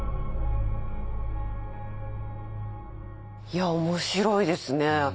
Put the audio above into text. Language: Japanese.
いや面白いですね。